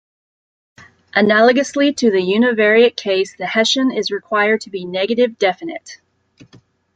Analogously to the univariate case, the Hessian is required to be negative definite.